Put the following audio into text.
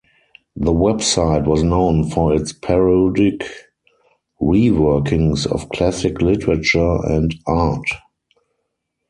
The website was known for its parodic reworkings of classic literature and art.